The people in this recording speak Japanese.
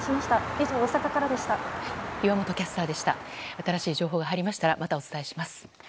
新しい情報が入りましたらまたお伝えします。